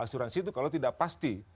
asuransi itu kalau tidak pasti